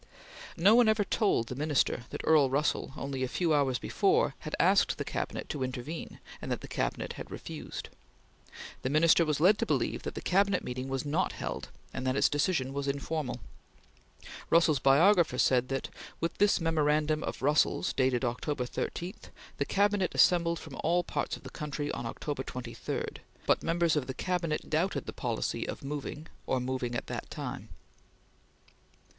No one ever told the Minister that Earl Russell, only a few hours before, had asked the Cabinet to intervene, and that the Cabinet had refused. The Minister was led to believe that the Cabinet meeting was not held, and that its decision was informal. Russell's biographer said that, "with this memorandum [of Russell's, dated October 13] the Cabinet assembled from all parts of the country on October 23; but ... members of the Cabinet doubted the policy of moving, or moving at that time."